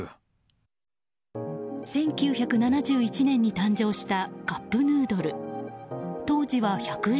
１９７１年に誕生したカップヌードル。